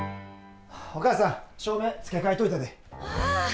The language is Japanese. お母さん照明付け替えといたで。